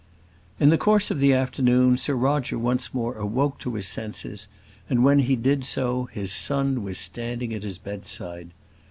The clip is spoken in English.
In the course of the afternoon Sir Roger once more awoke to his senses, and when he did so his son was standing at his bedside.